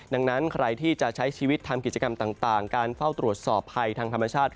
ดังนั้นใครที่จะใช้ชีวิตทำกิจกรรมต่างการเฝ้าตรวจสอบภัยทางธรรมชาติ